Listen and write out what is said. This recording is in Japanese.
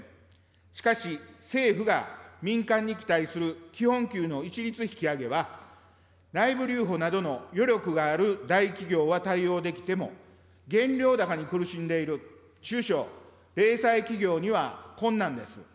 しかし、政府が民間に期待する基本給の一律引き上げは、内部留保などの余力がある大企業は対応できても、原料高に苦しんでいる中小零細企業には困難です。